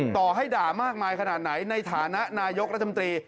ต่อให้ด่ามากมายขนาดไหนในฐานะนายกรัฐมนตรี